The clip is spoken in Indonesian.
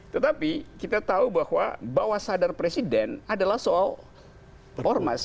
tetapi kita tahu bahwa bawah sadar presiden adalah soal ormas